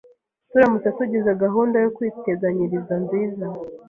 Turamutse tugize gahunda yo kwiteganyiriza nziza